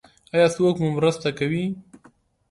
ایا څوک مو مرسته کوي؟